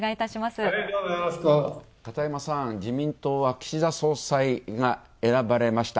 片山さん、自民党は岸田総裁が選ばれました。